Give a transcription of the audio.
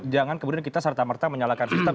jangan kemudian kita serta merta menyalakan sistem